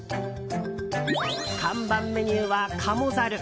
看板メニューは、鴨ざる。